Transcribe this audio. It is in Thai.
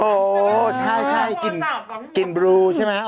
โอ้โหใช่กินบลูใช่ไหม